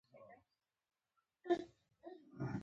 د یو انسان وژل باید داسې عادي ونه ګڼل شي